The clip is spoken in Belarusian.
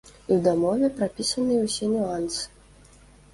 І ў дамове прапісаныя ўсе нюансы.